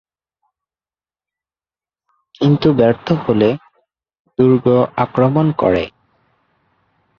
কিন্ত ব্যর্থ হলে দুর্গ আক্রমণ করে।